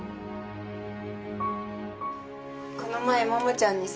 この前桃ちゃんにさ